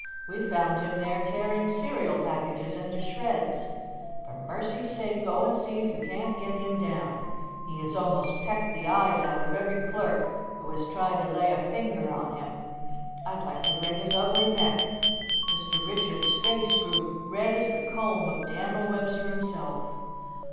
We found him there tearing cereal packages into shreds. For mercy's sake, go and see if you can't get him down. He has almost pecked the eyes out of every clerk who has tried to lay a finger on him. I'd like to wring his ugly neck." Mr. Richard's face grew red as the comb of Dan'l Webster himself.